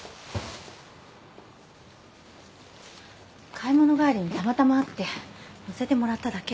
・買い物帰りにたまたま会って乗せてもらっただけ。